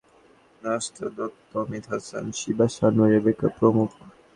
এতে আরও অভিনয় করবেন রজতাভ দত্ত, অমিত হাসান, সিবা শানু, রেবেকা প্রমুখ।